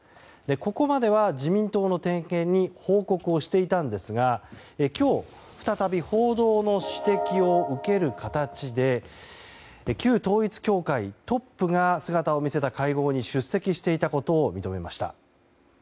ここまでは自民党の点検に報告をしていたんですが今日再び報道の指摘を受ける形で旧統一教会トップが姿を見せた会合に出席していたことを認めました。